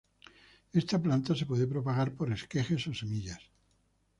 Esta planta se puede propagar por esquejes o semillas.